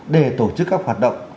để tổ chức các hoạt động